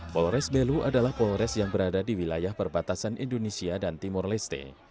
polres belu adalah polres yang berada di wilayah perbatasan indonesia dan timur leste